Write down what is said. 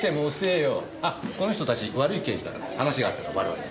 あっこの人たち悪い刑事だから話があったら我々に。